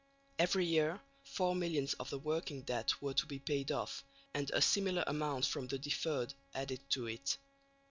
Every year four millions of the "working debt" were to be paid off, and a similar amount from the "deferred" added to it.